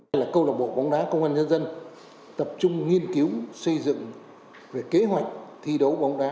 đây là câu lạc bộ bóng đá công an nhân dân tập trung nghiên cứu xây dựng về kế hoạch thi đấu bóng đá